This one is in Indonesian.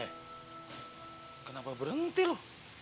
eh kenapa berhenti lu